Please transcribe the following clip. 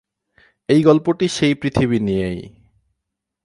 এই গল্পটি সেই পৃথিবী নিয়েই।